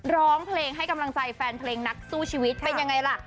ร้องเพลงให้กำลังใจแฟนเพลงนักสู้ชีวิตเป็นยังไงล่ะ